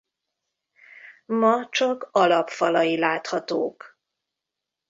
Ma csak alapfalai láthatók.